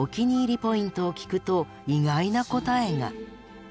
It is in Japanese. ポイントを聞くと意外な答えが。